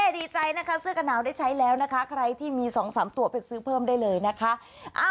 ดีใจนะคะเสื้อกระหนาวได้ใช้แล้วนะคะใครที่มี๒๓ตัวไปซื้อเพิ่มได้เลยนะคะ